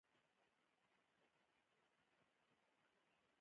افغانستان په خپله ښکلې آب وهوا باندې غني دی.